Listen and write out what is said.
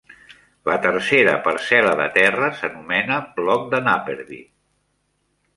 La tercera parcel·la de terra s'anomena Bloc de Napperby.